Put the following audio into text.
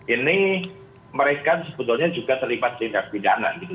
ini mereka sebetulnya juga terlibat tindak pidana gitu